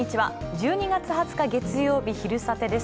１２月２０日、月曜日、「昼サテ」です。